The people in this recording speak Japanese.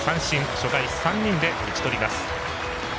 初回３人で打ち取ります。